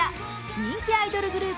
人気アイドルグループ